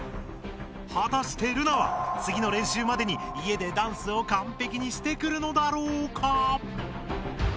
はたしてルナはつぎの練習までにいえでダンスをかんぺきにしてくるのだろうか？